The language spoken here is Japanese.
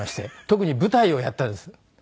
特に舞台をやったんです